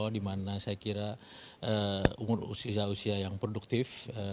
dimana saya kira umur usia usia yang produktif